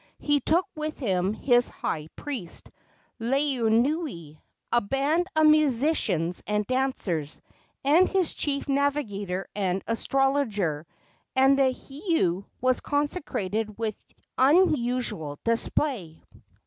He took with him his high priest, Laeanui, a band of musicians and dancers, and his chief navigator and astrologer, and the heiau was consecrated with unusual display.